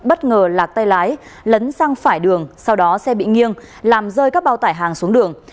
bất ngờ lạc tay lái lấn sang phải đường sau đó xe bị nghiêng làm rơi các bao tải hàng xuống đường